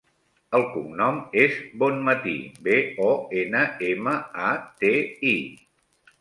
El cognom és Bonmati: be, o, ena, ema, a, te, i.